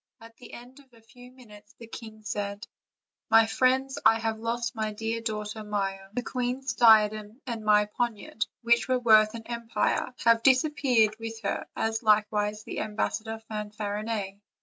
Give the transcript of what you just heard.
At the end of a few min utes the king said: "My friends, I have lost my dear daughter Maia; the queen's diadem and my poniard, which are worth an empire, have disappeared with her, as likewise the ambassador Fanfarinet.